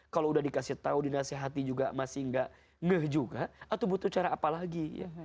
kalau udah dikasih tahu dinasehati juga masih gak ngeh juga atau butuh cara apa lagi